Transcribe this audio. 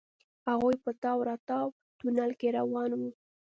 هغوئ په تاو راتاو تونل کې روان وو.